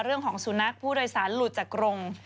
เรื่องของสุนัขผู้โดยสารหลุดจากกรง